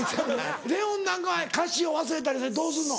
レオンなんかは歌詞を忘れたりしたらどうすんの？